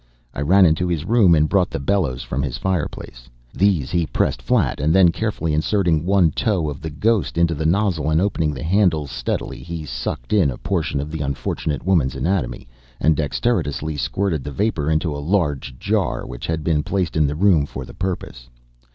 I ran into his room and brought the bellows from his fireplace. These he pressed flat, and then carefully inserting one toe of the ghost into the nozzle and opening the handles steadily, he sucked in a portion of the unfortunate woman's anatomy, and dexterously squirted the vapor into a large jar, which had been placed in the room for the purpose.